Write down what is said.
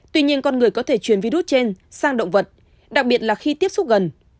tuy nhiên con người có thể truyền virus trên sang động vật đặc biệt là khi tiếp xúc gần